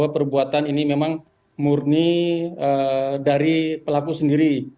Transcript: perbuatan ini memang murni dari pelaku sendiri